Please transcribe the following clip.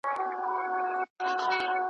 شیخه قول دي پر ځای کړ نن چي سره لاسونه ګرځې ,